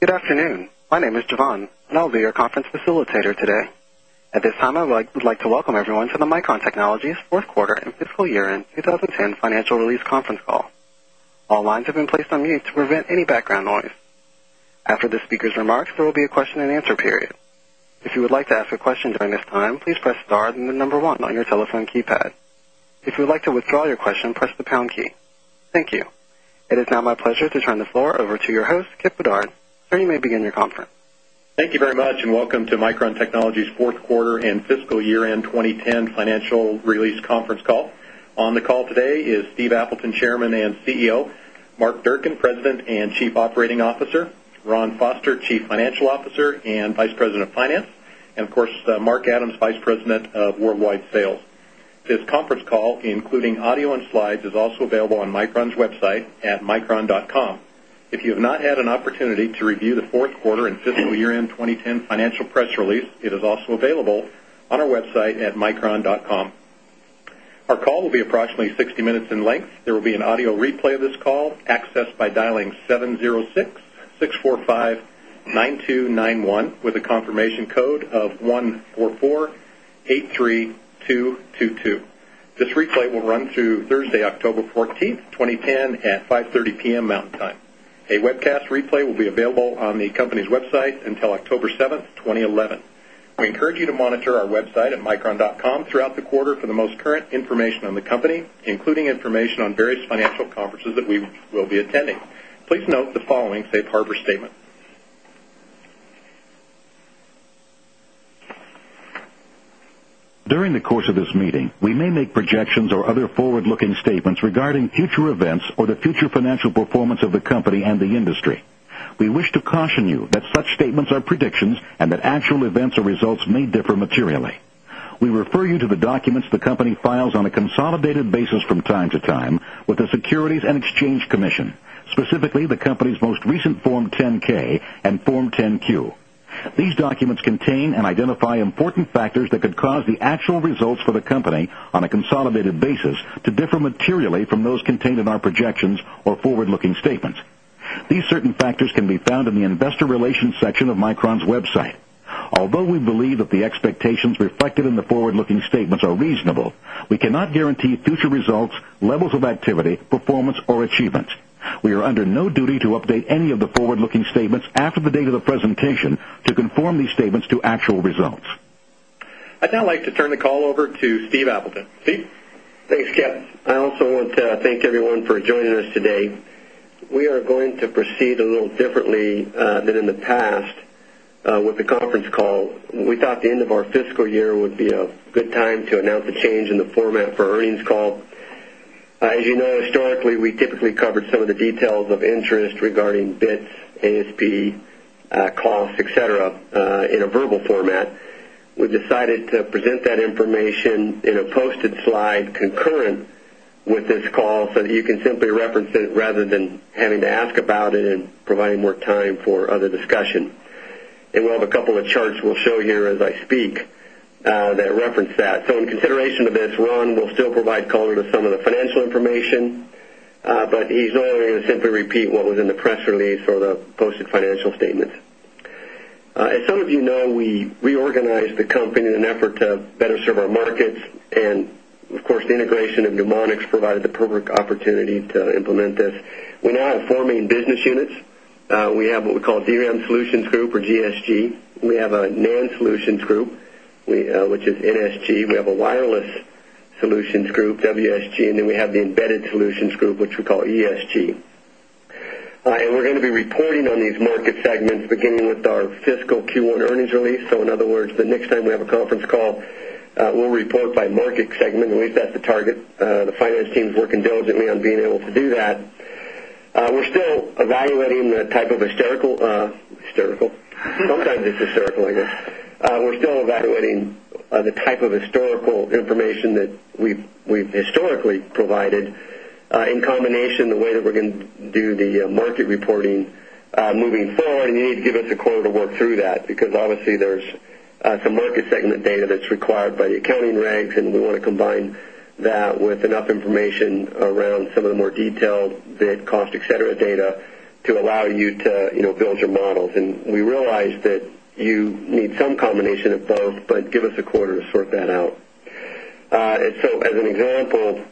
Good afternoon. My name is Jovan, and I'll be your conference facilitator today. At this time, I would like to welcome everyone to the Micron Technology 4th Quarter And Fiscal Year End 20 10 Financial Release Conference Call. All lines have been placed on mute to prevent any background noise. After the speakers' remarks, there will be a question and answer Thank you. It is now my pleasure to turn the floor over to your host, Kip Bedard. Sir, you may begin your conference. Thank you very much and welcome to Micron Technologies quarter fiscal year end 2010 financial release conference call. On the call today is Steve Appleton, Chairman and CEO. Mark Durkin, President and Chief Operating Officer Ron Foster, Chief Financial Officer and Vice President of Finance, and of course, Mark Adams President of Worldwide Sales. This conference call, including audio and slides, is also available on Micron's website at micron.com. If you have not had an opportunity to review the fourth quarter fiscal year end 2010 financial press release, it is also available on our website at microndot com. Our call will be approximately 60 minutes in length. There will be an audio replay of this call accessed by dialing 7066 45,9291, with a confirmation code of 14483222. This replay will run through Thursday, October 14th, 2010 at 5:30 pm Mountain Time. A webcast replay will be available on the company's website until over 7th 2011. We encourage you to monitor our website at micron.com throughout the quarter for the most current information on the company, including information on various conferences that we will be attending. Please note the following Safe Harbor statement. During the course of this meeting, we may make projections or other forward looking statements regarding future events or the future financial performance of the company and the industry. We wish to caution you that such statements are predictions and that actual events or results may differ materially. We refer you to the documents the company files on a consolidated basis from time to time with the Securities And Exchange Commission, specifically the company's most recent Form 10 K and Form 10Q. These documents contain and identify important factors that could cause automated basis to differ materially from those contained in our projections or forward looking statements. These certain factors can be found in the Investor Relations section of Micron's website Although we believe that the expectations reflected in the forward looking statements are reasonable, we cannot guarantee future results we levels of activity, performance or achievements. We are under no duty to update any of the forward looking statements after the date of the presentation to conform these statements to actual results. I'd now like to turn the call over to Steve Appleton. Steve? Thanks, Kath. I also want to thank everyone for joining us today we are going to proceed a little differently than in the past, with the conference call. We thought the end of our fiscal year would be a good time to announce the change in the format for earnings call. As you know, historically, we typically covered some of the details of interest regarding bids ASP, costs, etcetera, in a verbal format, we decided to present that information in a posted slide concurrent with this call so that you can simply reference it rather than having to ask about it and providing more time for other discussion. And we'll have a couple of charts we'll show here as I speak, that reference that. So in consideration of this run, we'll still provide her to some of the financial information, but he's not only going to simply repeat what was in the press release or the posted financial statements. As some of you know, we organized the company in an effort to better serve our markets and, of course, the integration of Mnemonics provided the to implement this. We now have 4 main business units. We have what we call DRAM solutions group or GSG. We have a NAND solutions group which is NSG. We have a wireless solutions group, Wsg, and then we have the embedded solutions group, which we call SG. Alright. And we're going to be reporting on these market segments beginning with our fiscal Q1 earnings release. So in other words, the next time we have a conference call we'll report by market segment, and we've got the target, the finance team's working diligently on being able to do that. We're still evaluating the type of hysterical, hysterical. Sometimes it's hysterical, I guess. We're still evaluating the of historical information that we've we've historically provided, in combination the way that we're gonna do the market reporting moving forward, and you need to give us a quarter to work through that because obviously there's some market segment data that's required by the accounting ranks, and we wanna combine that with enough information around some of the more detailed bid cost, etcetera, data, to allow you to, you know, build your models. And we realize that you need some combination above, but give us a quarter to sort that out. And so as an example,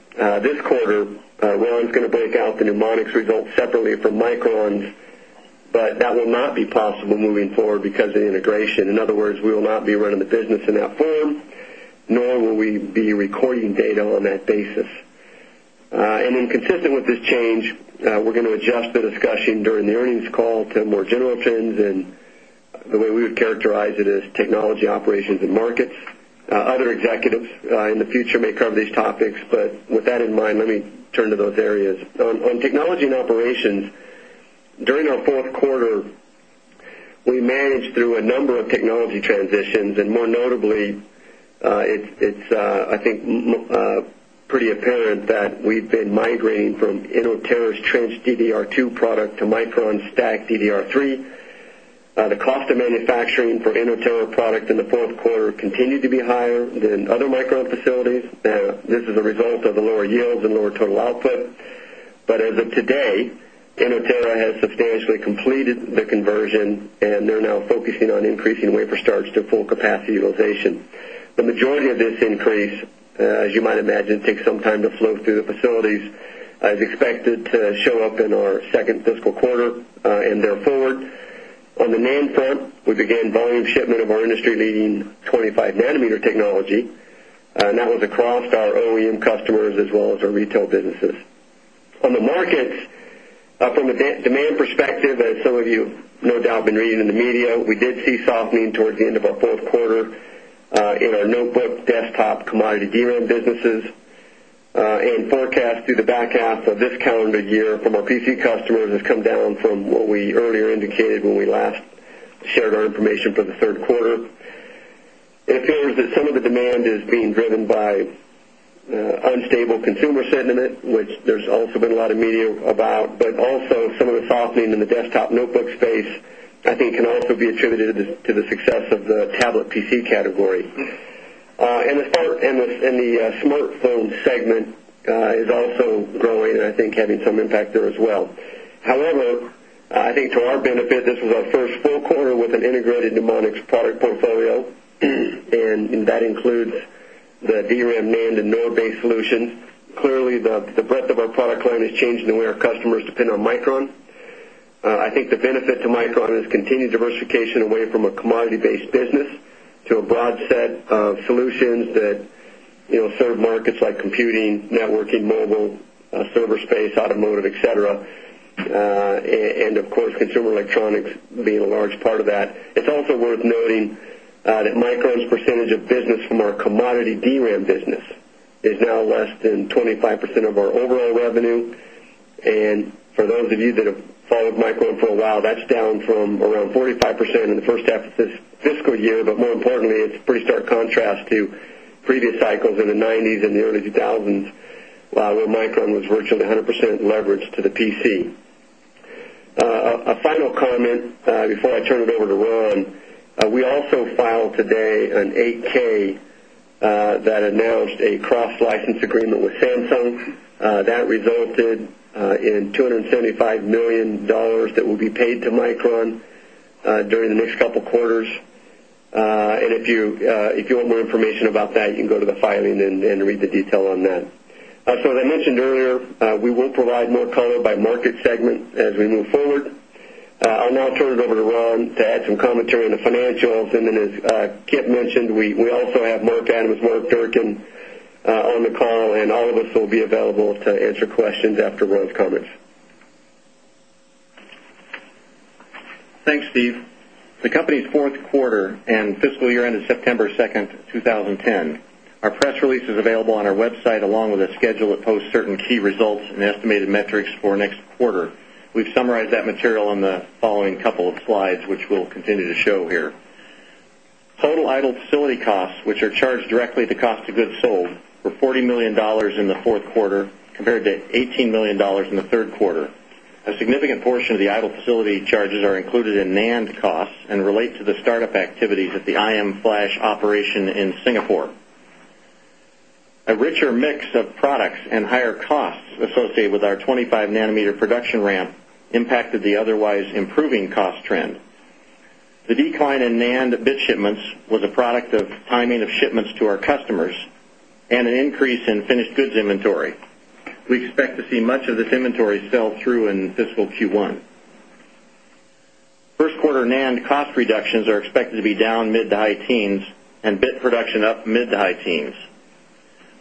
this quarter, Railing's gonna break out the mnemonics results separately from microns, but that will not be possible moving forward because of integration. In other words, we will be running the business in that form nor will we be recording data on that basis. And then consistent with this change, we're going to adjust discussion during the earnings call to more general options and the way we would characterize it as technology operations and markets. Other executives in the future may come topics, but with that in mind, let me turn to those areas. On on technology and operations, during our fourth quarter, we managed through a number of technology transitions and more notably, it's it's, I think, pretty apparent that we've been migrating from Innoterra's trans DDR2 product to micro on STACK DDR3. The cost of manufacturing for Innoterra product in the 4th quarter continued to be higher than other micro facilities. This is a result of the lower yields and lower total output. But as of today, and Oterra has substantially completed the conversion, and they're now focusing on increasing wafer starts to full capacity utilization. Majority of this increase, as you might imagine, takes some time to flow through the facilities as expected to show up in our second fiscal quarter, and therefore, technology. That was across our OEM customers as well as our retail businesses. On the markets, from a demand perspective, as some of you no doubt been reading in the media. We did see softening towards the end of our fourth quarter, in our notebook desktop commodity DRAM businesses, and forecast the back half of this calendar year from our PC customers has come down from what we earlier indicated when we last shared our information for third quarter. It appears that some of the demand is being driven by, unstable consumer sentiment which there's also been a lot of media about, but also some of the softening in the desktop notebook space, I think, can also be a to the to the success of the tablet PC category. In the part and the in the smartphone segment, is also growing and I think having some impact there as well. However, I think to our benefit, this was our 1st full quarter with an rated mnemonics product portfolio, and that includes the DRAM NAND and node based solutions, clearly the the breadth of our product line is changing the way our customers depend on Micron. I think the benefit to Micron is continued diversification away from a commodity based business to a broad set of solutions that, you know, serve markets like computing, networking, mobile, server space, automotive, etcetera. And, of course, consumer electronics being a large part of that. It's also worth noting that Micron's percentage of business from our commodity DRAM business. Is now less than 25% of our overall revenue. And for those of you that have followed Micron for a while, that's down from around 45% in the first after this fiscal year, but more importantly, it's pretty stark contrast to previous cycles in the 90s and the early 2000s. Where Micron was virtually 100% leverage to the PC. A final comment, before I turn it over to Ron, we are also filed today an 8 K, that announced a cross license agreement with Samsung, that resulted $275,000,000 that will be paid to Micron, during the next couple of quarters. And if you if you want more information about that, you can go to the filing and read the detail on that. So as I mentioned earlier, we will provide more color by market segment as we move forward. I'll now turn it over to Ron to add some commentary on the financials. And then as, Keith mentioned, we, we also have Mark Adams, Mark Durkin, on the call and all of us will be available to answer questions after Rose's comments. Thanks, Steve. The company's 4th quarter and fiscal year ended September 2 2010. Our press release is available on our website along with a schedule to post certain key results and estimated metrics for next quarter. We've summarized that Cheryl on the following couple of slides which we'll continue to show here. Total idled facility costs, which are charged directly to cost of goods sold, were $40,000,000 in the 4th quarter compared to $18,000,000 in the 3rd quarter. A significant portion of the idle facility charges are included in NAND costs and relate to the startup activities at the and higher costs associated with our 25 nanometer production ramp impacted the otherwise improving cost trend. The decline in NAND bit shipments was a product of timing of shipments to our customers and an increase in finished goods inventory. We expect to see much this inventory fell through in fiscal q1. 1st quarter NAND cost reductions are expected to be down mid to high teens bit production up mid to high teens.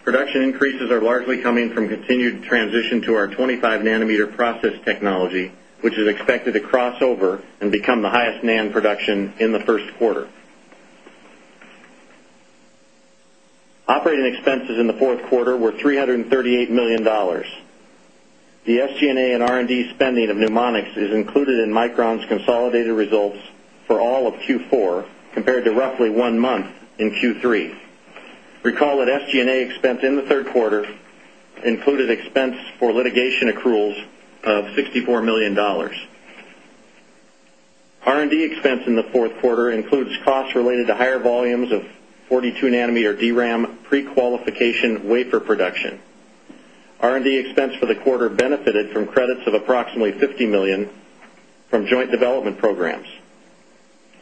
Production increases are largely coming from continued transition to our 25 nanometer process technology, which is expected to crossover and become the highest NAND production in the first quarter. Operating expenses in the fourth quarter were $338,000,000. The SG and A and R and D spending of mnemonics is included in Micron's consolidated results for all of Q4 compared to roughly 1 month in Q3. Recall that SG and A expense in the 3rd quarter included expense for litigation accruals of $64,000,000. R and D expense in the 4th R and D expense for the quarter benefited from credits of approximately 50,000,000 from joint development grams.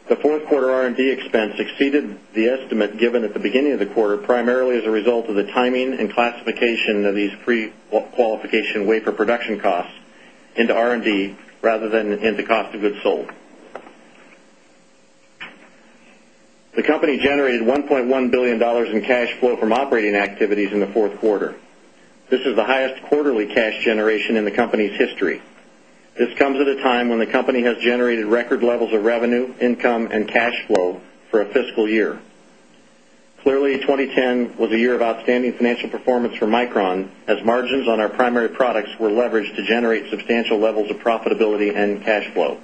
The 4th quarter R and D expense exceeded the estimate given at the beginning of the quarter primarily as a result of the timing and classification of these pre qualification wafer production costs into R&D rather than into cost of goods sold. The company $1,100,000,000 in cash flow from operating activities in the fourth quarter. This is the highest quarterly cash generation in the company's This comes at a time when the company has generated record levels of revenue, income, and cash flow for a fiscal year. Clearly 2010 was a year of standing financial performance for Micron as margins on our primary products were leveraged to generate substantial levels of profitability and cash flow.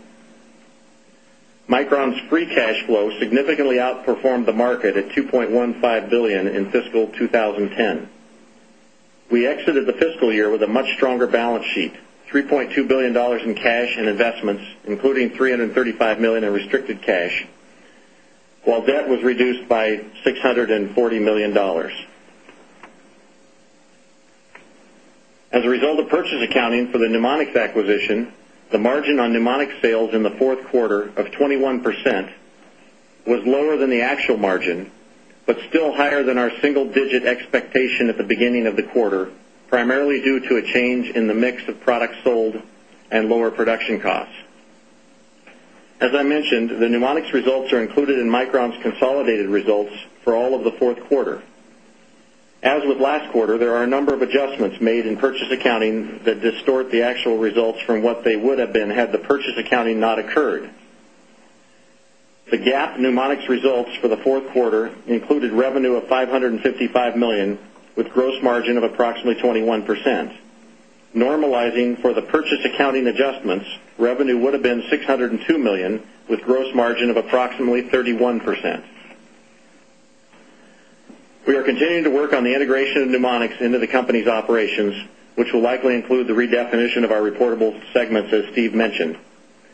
Micron's free cash flow significantly outperformed fiscal year with a much stronger balance sheet, $3,200,000,000 in cash and investments including $335,000,000 of restricted cash while debt was reduced by $640,000,000 As a result of purchase accounting for the Pneumonics acquisition, the margin on Pneumonics sales in the 4th quarter of 21% was lower than the actual margin but still higher than our single digit expectation at the beginning of the quarter primarily due to a change in the mix of products sold and lower production costs. As I mentioned, the mnemonic's results are included in Micron's consolidated results for all of the 4th quarter. With last quarter, there are a number of adjustments made in purchase accounting that distort the actual results from what they would have been had the purchase accounting not occurred. The GAAP NeuMoDx results for the 4th quarter included revenue of $555,000,000 with gross 21%. Normalizing for the purchase accounting adjustments, revenue would have been 602,000,000 gross margin of approximately 31%. We are continuing to work on the integration of Mnemonics into the company's operations, which will likely include redefinition of our reportable segments as Steve mentioned.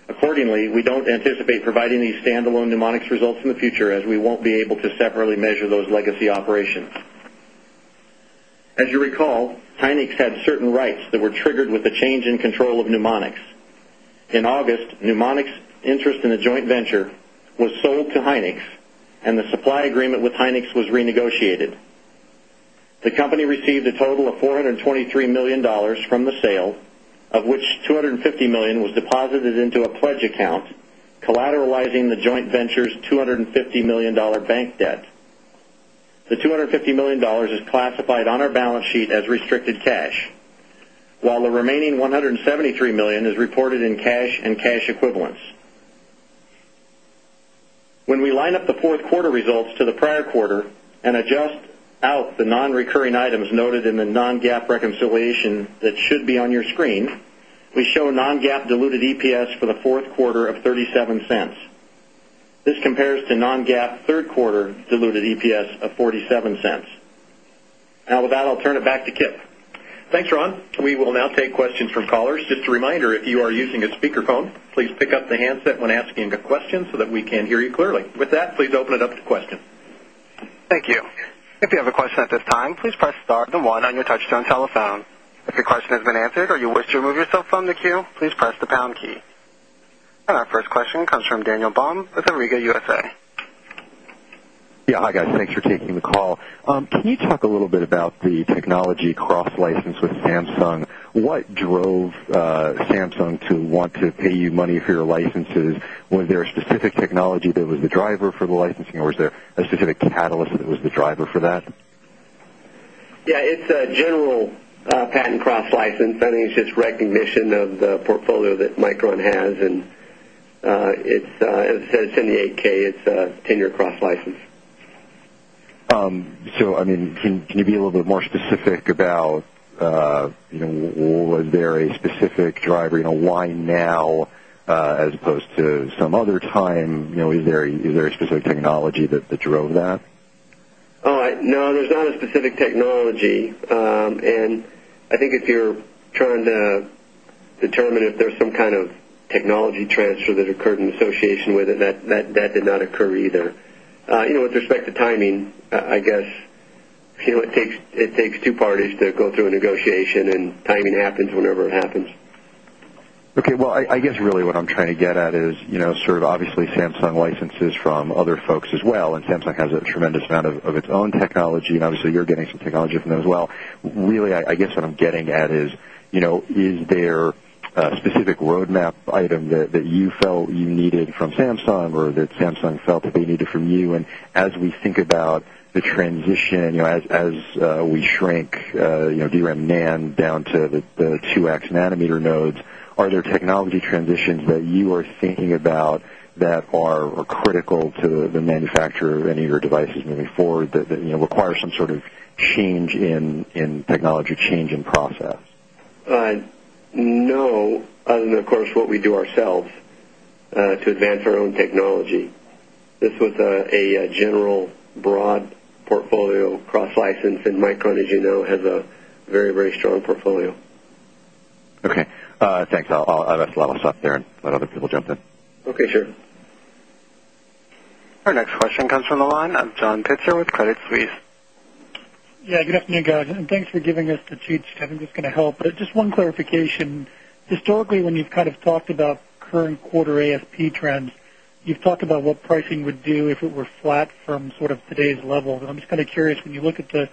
Accordingly, we don't anticipate providing these standalone pneumonic results in the future as we won't be able to separately measure those legacy operations. As you recall, Tynix had certain rights that were triggered with the change in control of mnemonics. In August, mnemonics interest in a joint venture was sold to Hynix and the supply agreement with Hynix was renegotiated. They company received a total of $423,000,000 from the sale, of which $250,000,000 was deposited into a pledge account collateralizing the joint venture's $250,000,000 bank debt. The $250,000,000 is class applied on our balance sheet as restricted cash, while the remaining 173,000,000 is reported in cash and cash equivalents. When we line up the 4th quarter results to the prior quarter and adjust out the non recurring items noted in the non GAAP reconciliation that should be on your screen, we show non GAAP diluted EPS for the fourth quarter of $0.37. This compares to non GAAP 3rd quarter diluted EPS of $0.47. Take questions from callers. And our first question comes from Daniel Baum with Enriga USA. Can you talk a little bit out the technology cross license with Samsung. What drove, Samsung to want to pay you money for your life sense is, was there a specific technology that was the driver for the licensing, or was there a specific catalyst that was the driver for that? Yeah. It's a general pack Cross license funding is just recognition of the portfolio that Micron has. And, it's, as I said, it's in 8 K, it's a 10 year cross license. So, I mean, can you be a little bit more specific about you know, was there a specific driver, you know, why now, as opposed to some other time, you know, is there is there a specific technology that that drove that? Alright. No. There's not a specific technology. And I think if you're trying to determine if there's some kind of technology transfer that occurred in association with it. That that that did not occur either. You know, with respect to timing, I guess, you know, it takes 2 parties to go through a negotiation timing happens whenever it happens. Okay. Well, I guess really what I'm trying to get at is, you know, sort of obviously Samsung licenses from other folks as well and Samsung has tremendous amount of its own technology, and obviously, you're getting some technology from them as well. Really, I guess what I'm getting at is, you know, is there a specific roadmap item that you felt you needed from Samsung or that Samsung felt that they needed from you. And as we think about the transition, as we shrink you know, DRAM NAND down to the 2x nanometer nodes, are there technology transitions that you are thinking about that are critical to the manufacturer of any of your devices moving forward that requires some sort of change in to change in process? No. Other than, of course, what we do ourselves, to advance our own technology. This was a a general broad portfolio cross license in Micron, as you know, has a very, very strong portfolio. Okay. Thanks. I'll let myself there and let other people jump in. Okay, sure. Our next question comes from the line John Pitzer with Credit Suisse. Just one clarification. Historically, when you've kind of talked about current quarter AFP trends, you've talked about what pricing would do if it were flat from sort of today's level. I'm just kind of curious when you look at the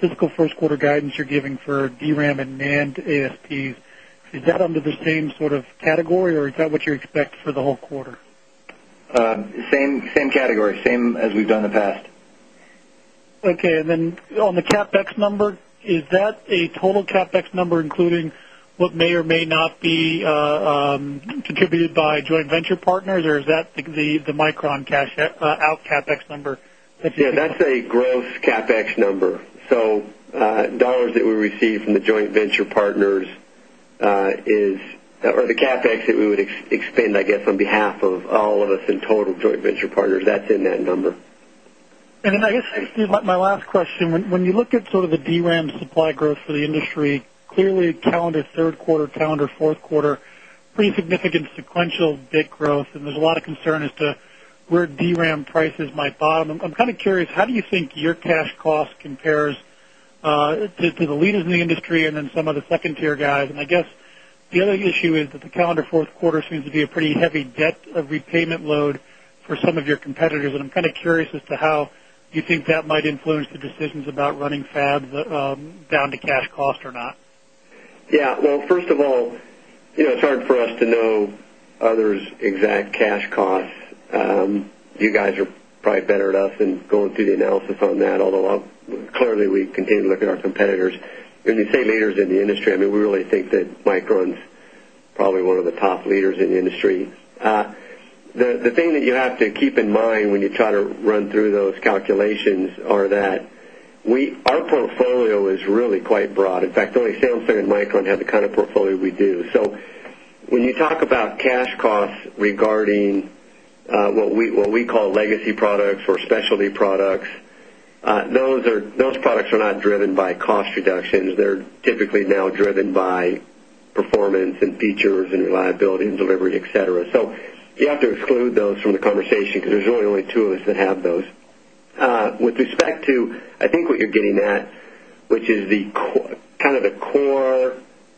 fiscal first quarter you're giving for DRAM and NAND ASPs. Is that under the same sort of category or is that what you expect for the whole order? Same same category, same as we've done in the past. Okay. And then on the CapEx number, that a total CapEx number, including what may or may not be, contributed by joint venture partners, or is that the the micron cash out CapEx number. Yeah. That's a gross CapEx number. So, dollars that we received from the joint venture partners is or the CapEx that we would ex expand, I guess, on behalf of all of us in total joint venture partners. That's in that number. And then I guess, Steve, my last question. When you look at sort of the DRAM supply growth for the industry, clearly at calendar 3rd quarter, calendar 4th quarter, pretty significant sequential bit growth. And there's a lot of as to where DRAM prices might bottom. I'm kind of curious, how do you think your cash cost compares to the leaders in the industry some of the 2nd tier guys. And I guess the other issue is that the calendar fourth quarter seems to be a pretty heavy debt of repayment load for some of your competitors. And I'm kind of curious to how you think that might influence the decisions about running fabs down to cash cost or not? Yes. Well, first of all, you know, it's hard for us to know others exact cash costs. You guys are probably better at us than go through the analysis on that, although clearly we continue to look at our competitors and the same leaders in the industry. I mean, we really think that Micron's probably one of the top leaders in the industry. The thing that you have to keep in mind when you try to run through those calculations are that we our portfolio is really quite broad. In fact, the only sales there in Micron have the kind of portfolio we do. So when you talk about cash costs regarding what we what we call legacy products for specialty products. Those are those products are not driven by cost reductions. They're typically now driven by performance and features and reliability and delivery, etcetera. So you have to exclude those from the commerce because there's only only 2 of us that have those. With respect to, I think what you're getting at, which is the kind of the core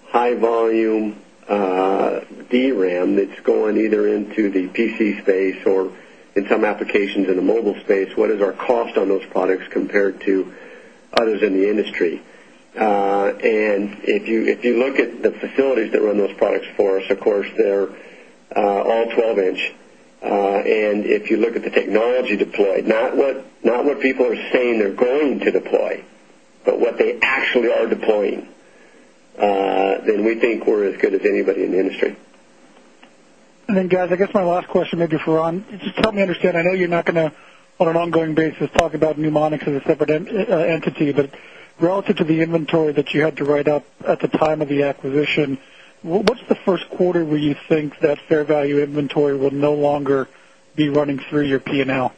high volume, DRAM that's going either into the PC space or in some applications in the mobile space. What is our cost on those products compared to others in the industry? And if you, if you look at the facilities that run those products for us, of course, they're, all 12 inch, and if look at the technology deployed, not what not what people are saying they're going to deploy, but what they actually are deploying then we think we're as good as anybody in the industry. And then, guys, I guess my last question maybe for Ron. Just help me understand. I know you're on an ongoing basis, talk about mnemonics as a separate entity, but relative to the inventory that you had to write up at the time of the acquisition, What's the first quarter where you think that fair value inventory will no longer be running through your P and L?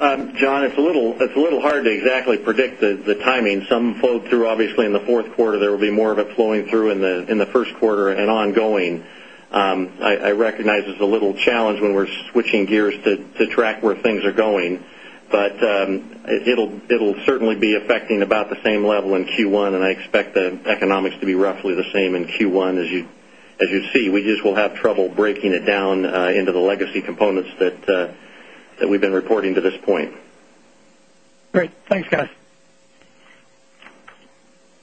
John, it's a little it's a little hard to exactly predict the the timing. Some flow through obviously in the fourth quarter. There will be more of a flowing through in the in the first quarter and ongoing. I recognize it's a little challenge when we're switching gears to track where things are going, but, it'll, it'll certainly be affecting about the same level in Q1 and I expect the economics to be roughly the same in Q1 as you, as you'd see is we'll have trouble breaking it down into the legacy components that, that we've been reporting to this point. Guys.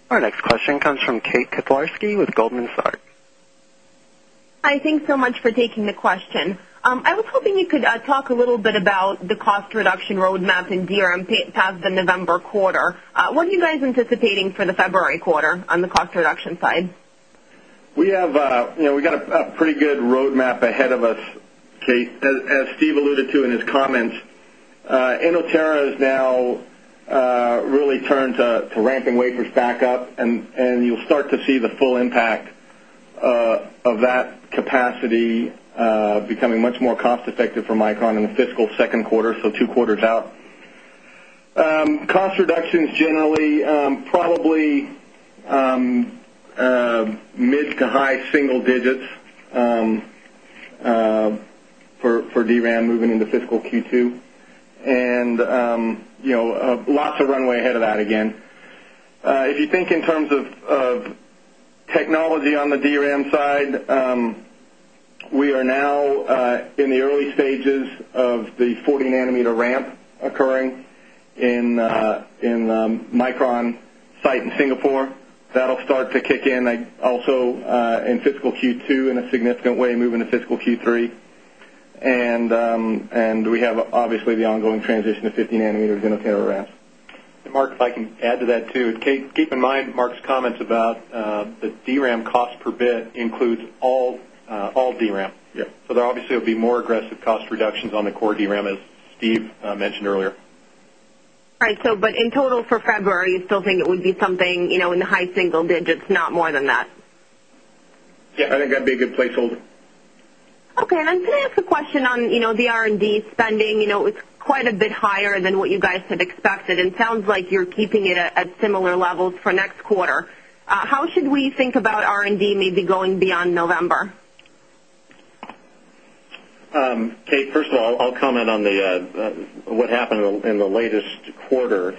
Our next question comes from Kate Kiplarski with Goldman Thanks so much for taking the question. I was hoping you could talk a little bit about the cost reduction road map in DRAMPA as the November quarter. You guys anticipating for the February quarter on the cost reduction side? We have a, you know, we got a pretty good roadmap ahead of us Kate, as as Steve alluded to in his comments, and Oterra has now, really turned to to ramping wafers back up and you'll start to see the full impact of that capacity, becoming much more cost effective for Micron in the fiscal quarter, so 2 quarters out. Cost reductions generally, probably mid to high single digits, for for DRAM moving into fiscal Q2. And you know, lots of runway ahead of that again. If you think in terms of of technology on the DRAM side, We are now, in the early stages of the 40 nanometer ramp occurring in, in Micron site in Singapore. That'll start to kick in. I also, in fiscal Q2 in a significant way moving to fiscal Q3. And, and we have obviously the ongoing transition of 50 nanometers in a trailer ramps. And, Mark, if I can add to that too, keep in mind Mark's comments about the DRAM cost per bit includes all, all DRAM. Yep. So there obviously will be more aggressive cost reductions on the core DRAM as Steve mentioned there. Alright. So but in total for February, you still think it would be something, you know, in the high single digits, not more than that? Yeah. And again, good placeholder. Okay. And then can I ask a question on, you know, the R and D spending? You know, it's quite a bit higher than what you guys expected. It sounds like you're keeping it at similar levels for next quarter. How should we think about R&D maybe going beyond November? Kate, first of all, I'll comment on the, what happened in the latest to quarter,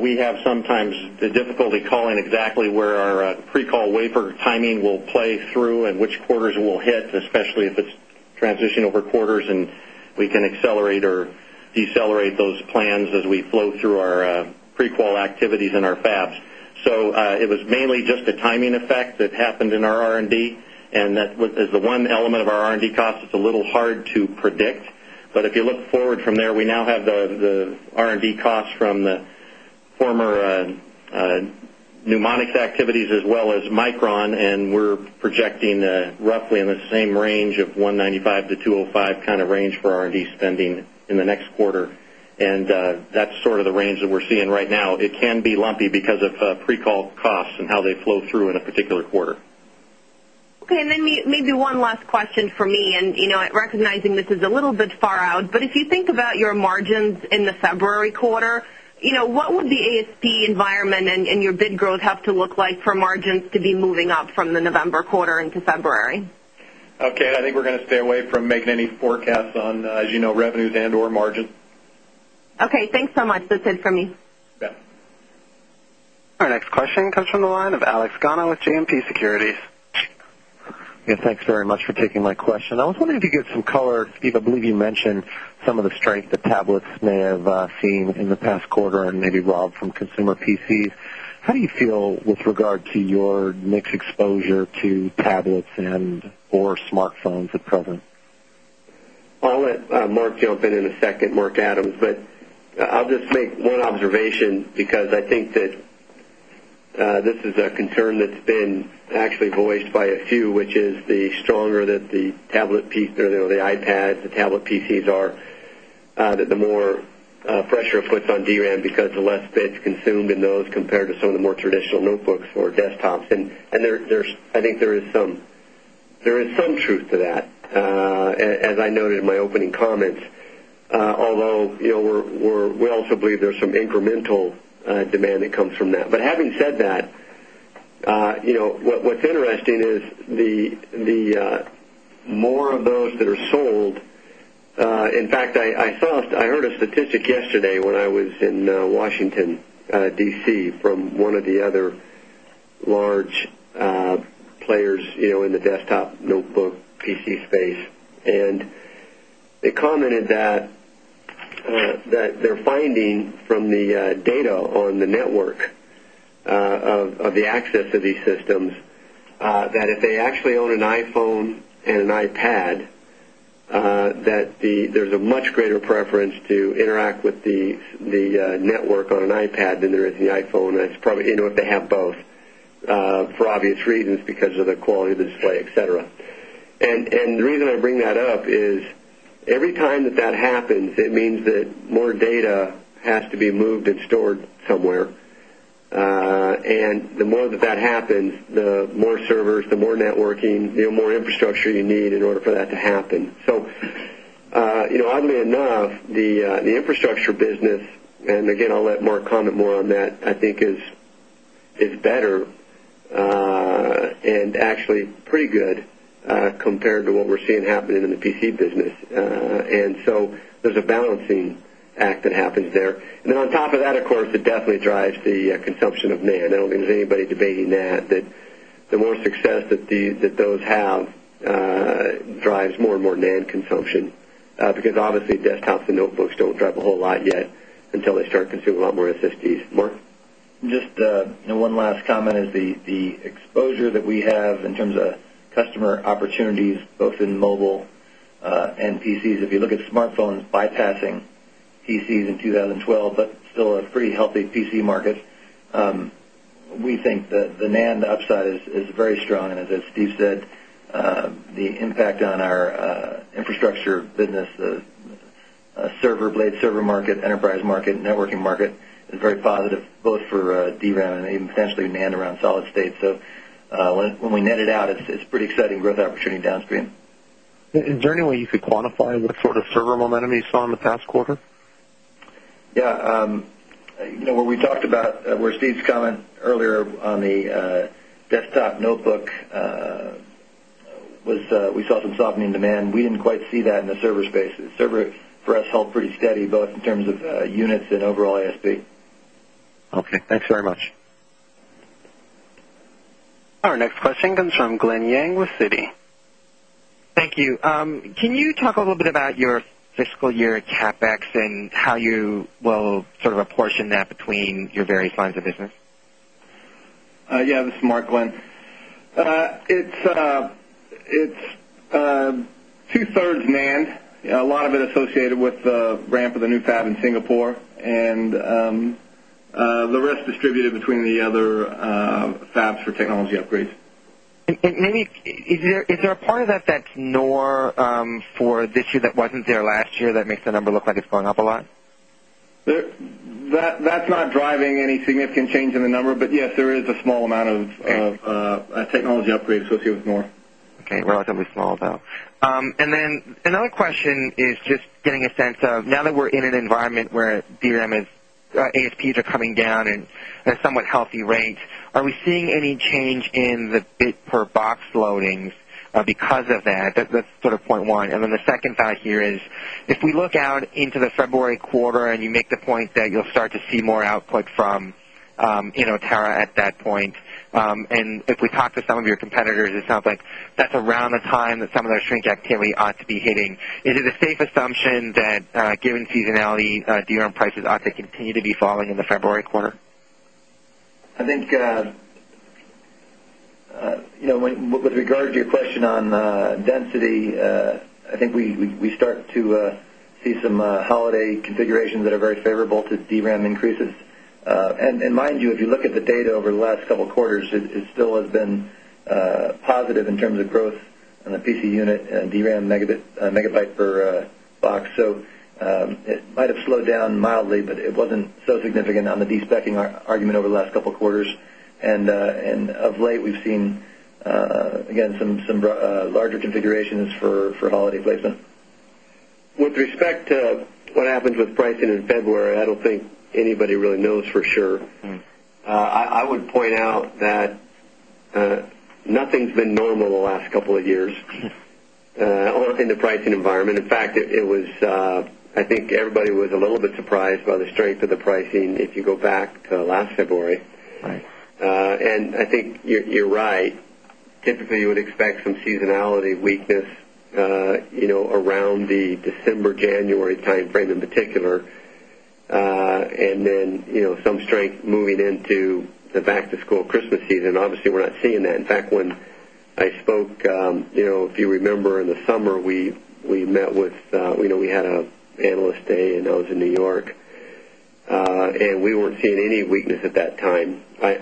we have sometimes the difficulty calling exactly where our pre call wafer timing will play through and which quarters it will hit especially if it's transitioning over quarters and we can accelerate or decelerate those plans as we flow through our prequel activities in our fabs. So, it was mainly just a timing effect that happened in our R and D and that with the one element of our R and D cost. It's a little hard to predict. But if you look forward from there, we now have the the R and D cost from the former uh-uh pneumonic activities as well as Micron and we're projecting roughly in the same range of 195 to 205 kind of range for R and D spending in the next quarter. And, that's sort of the range that we're seeing right now. It can be lumpy because of recall costs and how they flow through in a particular quarter. Okay. And then maybe one last question for me and, you know, recognizing this is a little bit far out, but if you think about your in the February quarter. You know what would the ASP environment and your bid growth have to look like for margins to be moving up from the November quarter in Amburary. Okay. And I think we're going to stay away from making any forecast on, as you know, revenues and or margin. Okay. Thank so much. That's it from me. Our next question comes from the line of Alex Gano with JMP Securities. Yes, thanks very much for taking my question. I was wondering if you could give some color. Steve, I believe you mentioned some of the strength the tablets may have seen in the past quarter and maybe Rob from consumer PCs. Do you feel with regard to your mix exposure to tablets and or smartphones that cover? I'll let Mark open in a second, Mark Adams, but I'll just make one observation because I think that, this a concern that's been actually voiced by a few, which is the stronger that the tablet piece, you know, the iPads, the tablet PCs are, that the more pressure of puts on DRAM because the less beds consumed in those compared to some of the more traditional notebooks or desktops. And and there there's I think there is some There is some truth to that, as I noted in my opening comments, although, you know, we're we're we also believe there's some incremental demand comes from that. But having said that, you know, what what's interesting is the the, more of those that are sold In fact, I I saw I heard a statistic yesterday when I was in Washington, DC from one of the other large, players, you know, in the desktop notebook PC space. And they commented that, that they're finding from the, data on the network, of, of the access of these systems, they if they actually own an iPhone and an iPad, that the there's a much greater preference to interact with the network on an iPad than there is in iPhone. And that's probably, you know, if they have both, for obvious reasons because of the quality of the display, etcetera. And the reason I bring that up is every time that that happens, it means that more data has to be moved and stored somewhere. And the more that that happens, the more servers, the more networking, you know, more infrastructure you need in order for that to happen. So, you know, oddly enough, the, the infrastructure business, and again, I'll let Mark comment more on that, I think, is is better, and actually pretty good, compared to what we're seeing happening in the PC business. And so there's a balancing act that happens there. And then on top of that, of course, it definitely drives the consumption of NAND. I don't mean there's anybody debating that that the more success that these that those have, drives more and more NAND consumption, because obviously, desktops and notebooks don't drive a whole lot yet until they start to a lot more assistive work. Just, one last comment is the exposure that we have in terms of customer opportunity both in mobile, and PCs. If you look at smartphones bypassing PCs in 2012, but still a pretty healthy PC market. We think that the NAND upside is very strong. And as Steve said, the impact on our infrastructure business, the server blade server market, enterprise market, networking market is very positive both for DRAM and potentially nAND around solid state. So, when we net it out, it's pretty exciting growth opportunity downstream. And, generally, you could to quantify what sort of server momentum you saw in the past quarter? Yeah. Where we talked about where Steve's come earlier on the, desktop notebook, was, we saw some softening demand. We didn't quite see in the server space. Server for us held pretty steady, both in terms of, units and overall ISP. Okay. Thanks very much. Our next question comes from Glenn Yang with Citi. Can you talk a little bit about your fiscal year FX and how you will sort of apportion that between your various lines of business? Yeah, this is Mark Glenn. It's, it's, 2 thirds NAND. A lot of it associated with the ramp of the new fab in Singapore and the rest distributed between the other fabs for technology upgrades. And maybe is there a part of that that's for this year that wasn't there last year? That makes the number look like it's going up a lot. That that's not driving any significant change in the number, but, yes, is a small amount of, technology upgrades with you with more. Okay, relatively small though. And then another question is just getting a sense of now that we're in an environment where DRAM is, ASPs are coming down and has somewhat helped rates. Are we seeing any change in the bit per box loadings, because of that? That's that's sort of point 1. And then the second thought here is If we look out into the February quarter and you make the point that you'll start to see more output from, you know, Tara point. And if we talk to some of your competitors, it sounds like that's around the time that some of those shrink activity ought to be hitting. It is a safe assumption that given seasonality, DRM prices ought to continue to be falling in the February quarter? I think, you know, with regard your question on, density. I think we, we, we start to, see some holiday configurations that are very favorable to DRAM increases. And, and mind you, if you look at the data over the last couple of quarters, it still has been, positive in terms of growth in the PC unit DRAM a megabyte per box. So, it might have slowed down mildly, but it wasn't so significant on the de specking argument over the last couple of quarters. And, and of late, we've seen, again, some, some, larger configurations for holiday placement. With respect to what happens with pricing in February, I don't think anybody really knows for sure. I would point out that, Nothing's been normal the last couple of years. Only thing the pricing environment. In fact, it it was, I think everybody was a little bit surprised by the strength of the price if you go back to last February. The December, January timeframe in particular, and then, you know, some strength moving into the back to school this season. Obviously, we're not seeing that. In fact, when I spoke, you know, if you remember in the summer, we, we met with, you know, we had a Analyst Day and I was in the Mark, and we weren't seeing any weakness at that time. I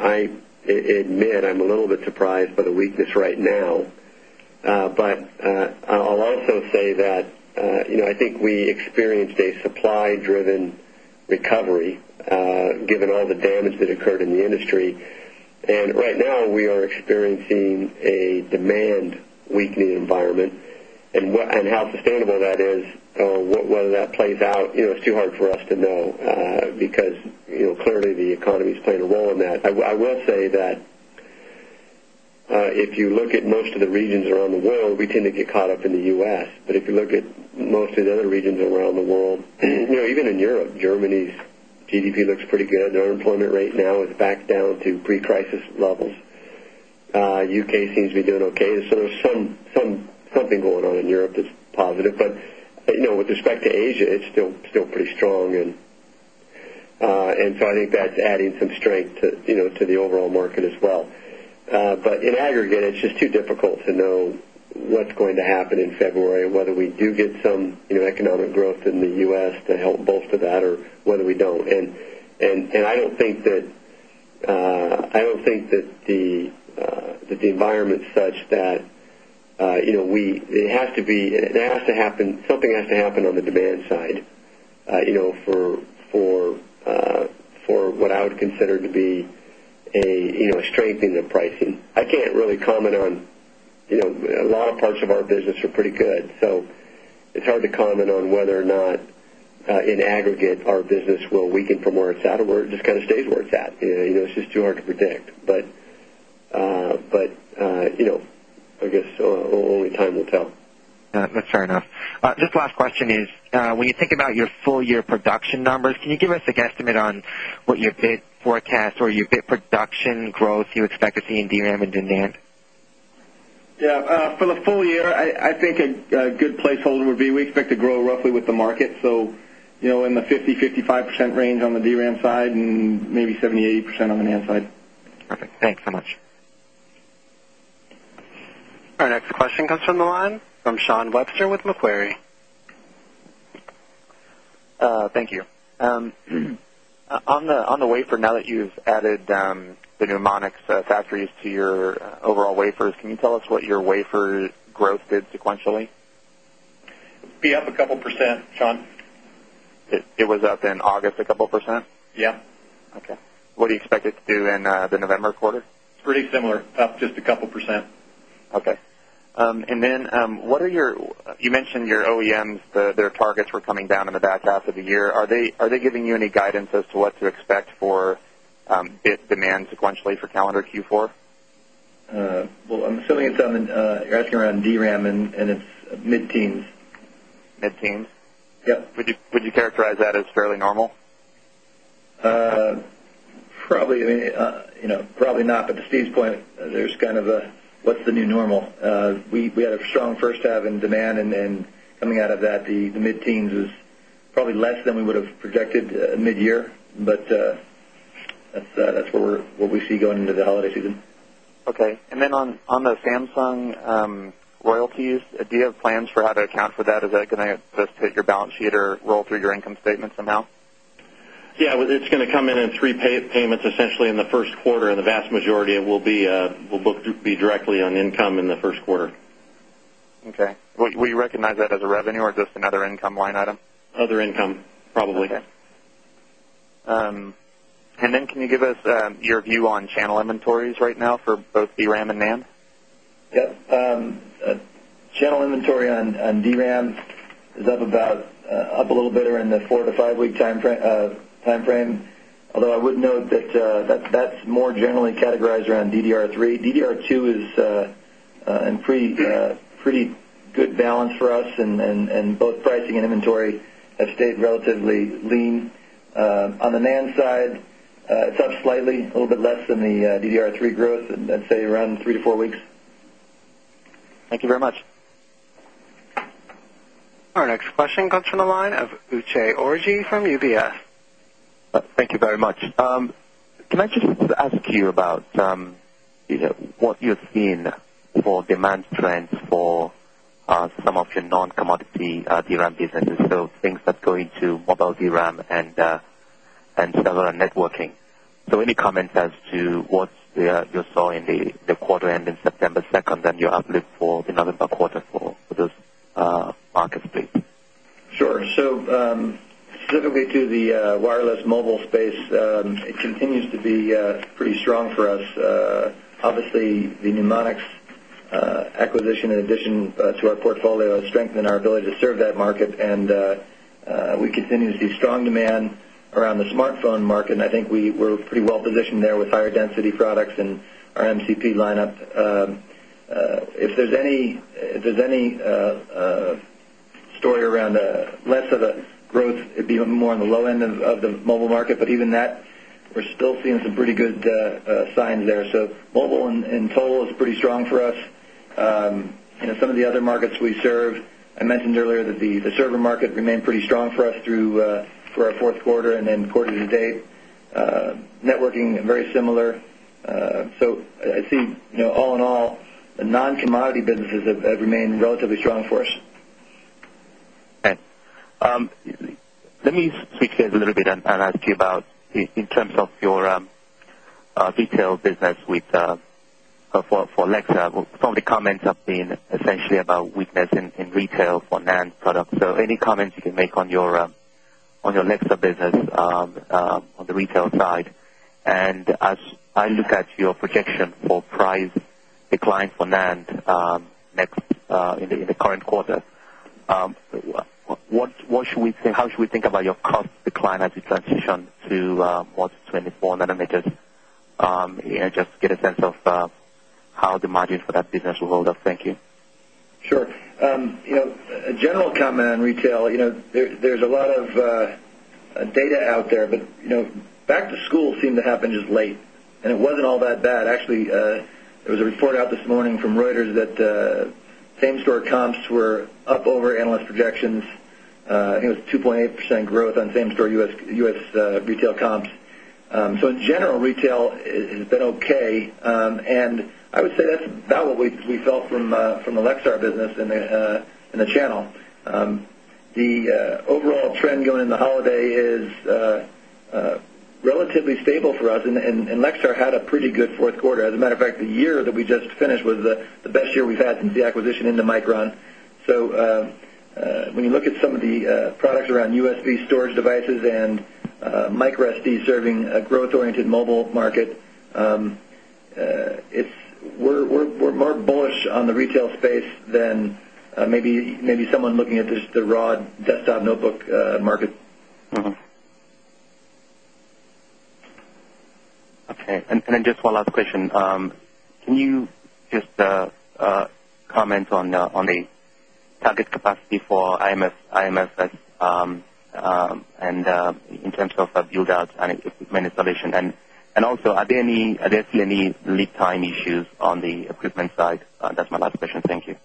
I admit I'm a little bit surprised by the weakness right now But, I'll also say that, you know, I think we experienced a covery, given all the damage that occurred in the industry. And right now, we are experiencing a demand we the environment and what and how sustainable that is, whether that plays out, you know, it's too hard for us to know, because, you know, clearly the economies played a role in that I will say that, if you look at most of the regions around the world, we tend to get caught up in the US. But if you look at most of the other regions around the world. You know, even in Europe, Germany's GDP looks pretty good. Their employment right now is back down to pre crisis level. UK seems to be doing okay. So there's some, some, something going on in Europe that's positive, but, you know, with respect to Asia, it's still pretty strong. And, and so I think that's adding some strength to, you know, to the overall market as well. But in aggregate, it's just too difficult to know what's going to happen in February and whether we do get some, you know, economic growth in the US to help bolster that or whether we don't. And, and, and I don't think that, I don't think that the, that the environment set that, you know, we it has to be it has to happen something has to happen on the demand side, you know, for for, for what I would consider to be a, you know, a strength in the pricing. I can't really comment on, you know, a lot of parts of our business are pretty good. It's hard to comment on whether or not, in aggregate, our business will weaken from where it's out of where it just kind of stays where it's at. You know, it's just too hard to predict, but but, you know, I guess, only time will tell. That's fair enough. Just last question is, when you think about your full year production numbers. Can you give us an estimate on what your bid forecast or your bid production growth you expect to see in DRAM and demand? Yeah. For the full year, I think a a good placeholder would be we expect to grow roughly with the market. So, you know, in the 50, 55% range on the DRAM side, maybe 70% to 80% on the hand side. Our next question comes from the line from Sean Webster with Macquarie. On the on the wafer, now that you've added, the mnemonics factories to your overall wafers, can you tell us what your wafer growth did sequentially? Be up a couple of percent, Sean. It was up in August a couple of percent? Yeah. Okay. What do you expect it to do in the November quarter? It's pretty similar, up just a couple of percent. Okay. And then, what are your mentioned your OEMs, the their targets were coming down in the back half of the year. Are they are they giving you any guidance as to what to expect for if demand sequentially for calendar Q4? Well, I'm assuming it's, I mean, you're asking around DRAM and its mid teens. Mid teens. Yeah. Would you characterize that as fairly normal? Probably, I mean, probably not, but at the stage point, there's kind of a, what's the new normal. We had a strong first half in demand and then coming out of the mid teens is probably less than we would have projected mid year, but, that's, that's where we see going into the season. Okay. And then on on the Samsung, royalties, do you have plans for how to account for that? Is that gonna just take your balance sheet or roll through your income statement now? Yeah. Well, it's going to come in in 3 payments essentially in the first quarter and the vast majority, it will be, will book to be directly on income in the this quarter. Okay. Would you recognize that as a revenue, or is this another income line item? Other income, probably. And then can you give us, your view on channel inventories right now for both DRAM and NAND? Yeah. Channel inventory on on DRAM is up about, up a little bit or in the 4 to 5 week time frame, time frame. Although, I wouldn't know that, that, that more generally categorized around DDR3. DDR2 is, and pretty, pretty good balance for us and and and both pricing and inventory have stayed relatively lean. On the NAND side, it's up slightly a little bit less than the DDR3 growth, let's say around 3 to 4 weeks Thank you very much. Our next question comes from the line of Ute Orgi from UBS. Thank you very much. Can I just ask you about what you're seeing for demand trends for some of your non commodity DRAM businesses? So things that go into mobile DRAM and sell networking. So, any comments as to what you saw in the quarter end in September 2nd and your outlook for another quarter for this, market space? Sure. So, specifically to the wireless mobile space it continues to be, pretty strong for us. Obviously, the Mnemonics acquisition in addition to our portfolio in our ability to serve that market. And, we continue to see strong demand around the smartphone market. And I think we were pretty well positioned there with higher density products our MCP lineup. If there's any, if there's any, story around less of the growth, it'd be even more on the low end of the mobile market. But even that, we're still seeing some pretty good, signs there. So mobile and in total is pretty strong for us. You know, some of the other markets we serve, I mentioned earlier that the, the server market remained pretty strong for us through, for our fourth quarter and quarterly to date, networking very similar. So I see, you know, all in all, the non commodity this has remained relatively strong for us. K. Let me speak to you a little bit on ask you about in terms of your, detailed business with, for Alexa, some of the comments have been essentially about weakness in retail for NAND products. So any comments you can make on your Alexa business, on the retail side? And as I look at your projection for price decline for NAND, next, in the in the end quarter. What should we think how should we think about your cost decline as you transition to what's the 24 permitted. Just get a sense of how the margins for that business will hold up. Thank you. Sure. Will come in retail, you know, there's a lot of, data out there, but you know, back to school seemed to happen just late and it wasn't that bad. Actually, there was a report out this morning from Reuters that, same store comps were up over analyst projections I think it was 2.8% growth on same store U. S. Retail comps. So in general, retail has been okay. And I would say that's about what we felt from, from the Lexar business in the, in the channel. The, overall trend going into holiday is relatively stable for us and Lexar had a pretty good 4th quarter. As a matter of fact, the year that we just finished was the best year we've had since the acquisition into Mike on. So, when you look at some of the, products around USB storage devices and, micro SD serving a growth oriented mobile market, it's, we're, we're more bullish on the retail space than, maybe, maybe someone looking at this, the raw desktop notebook market. And then just one last question, Can you just uh-uh comment on the target capacity for IMS and in terms of build outs and installation. And also are there any lead time issues on the side. That's my last question. Thank you.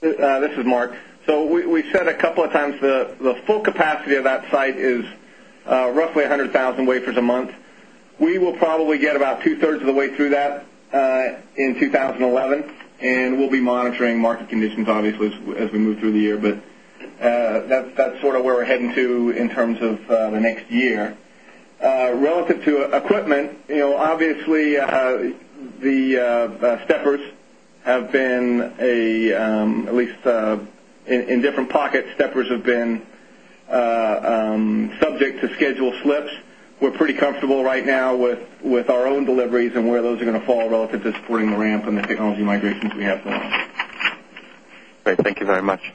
This is Mark. So we said a couple of times the full capacity of that site is roughly 100,000 years a month. We will probably get about 2 thirds of the way through that, in 2011, and we'll be monitoring market conditions, obviously, as we move through the year. But, that's sort of where we're heading to in terms of the next year. Relative to equipment, you know, obviously, the, steppers have been a, at least in different pockets. Stepers have been, subject to schedule slips. We're pretty comfortable right now with with our own deliveries and where those are going to fall relative to supporting the ramp and the technology migrations we have for them. Great. Thank you very much.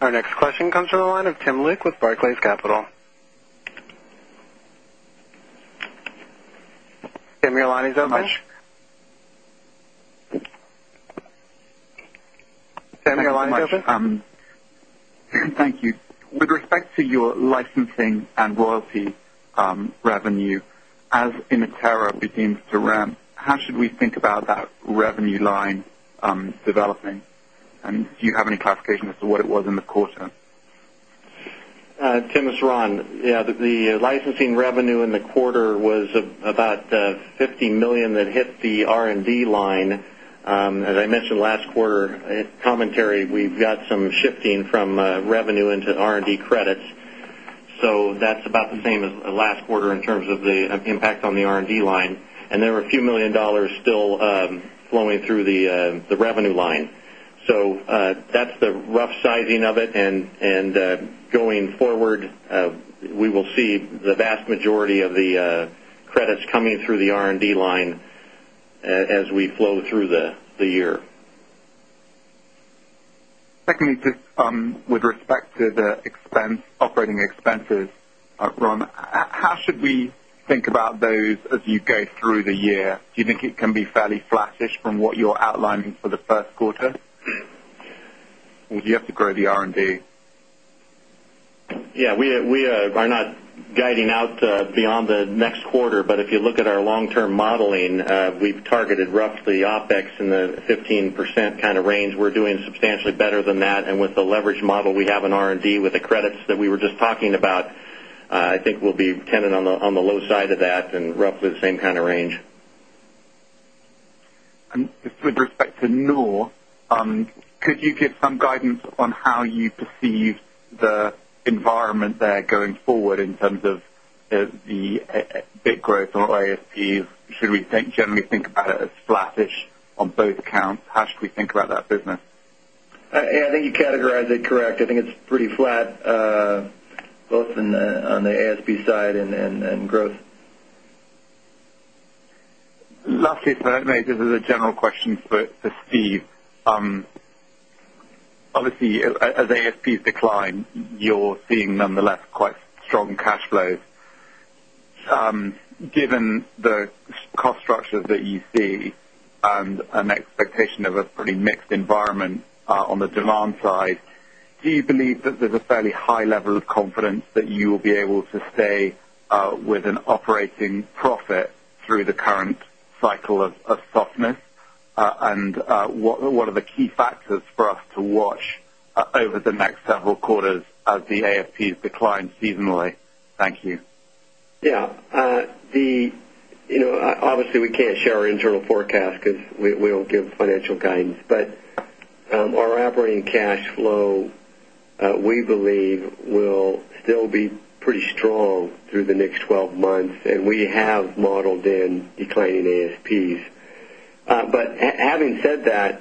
Next question comes from Your line is open. Thank you. With respect to your licensing and royalty, revenue, as Imatera begins to ramp, should we think about that revenue line, developing? Do you have any classification as to what it was in the quarter? Tim, it's Ron. Yeah, the licensing revenue in the quarter was about 50,000,000 that hit the R and D line as I mentioned last quarter commentary, we've got some shifting from, revenue into R and D credits. So that's about the same as last quarter terms of the impact on the R and D line. And there were a few $1,000,000 still, flowing through the, the revenue line. So, that's the rough sizing of it. And, and, going forward, we will see the vast majority of the, credits coming through the R and D line as we flow through the year? How should we think about those as you go through the year? Do you think it can be fairly flattish from what you're outlining for the first would you have to grow the R and D? Yeah. We are not guiding out beyond the next quarter, but if you look our long term modeling, we've targeted roughly OpEx in the 15% kind of range. We're doing substantially better than that. And with the leverage model, we have an R and D with the credits were just talking about, I think we'll be dependent on the on the low side of that and roughly the same kind of range. Okay. With respect to NOR, could you give some guidance on how you perceive the environment there going forward in terms of bit growth on ISP? Should we think generally think about it as flattish on both accounts? How should we think about business? I think you categorize it correct. I think it's pretty flat, both on the on the ASP side and and growth. This is a general question for Steve. Obviously, as ASPs decline, you're seeing nonetheless quite strong cash flows. Given the cost structures that you see, and an expectation of a pretty mixed environment on the demand side. Do you believe that there's a fairly high level of confidence that you will be able to stay with an operating profit through the current cycle of softness. And, what are the key factors for us to watch over the next several quarters the ASPs decline seasonally? Thank you. Yeah. Obviously, we came share our internal forecast because we, we'll give financial guidance. But, our operating cash flow, we believe will still be pretty strong through the next 12 months, and we have modeled in declining ASPs. But having that,